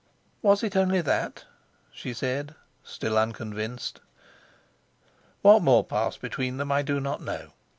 "Was it only that?" she said, still unconvinced. What more passed between them I do not know.